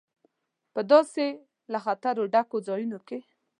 په داسې له خطره ډکو ځایونو کې.